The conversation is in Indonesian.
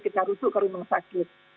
kita rusuk ke rumah sakit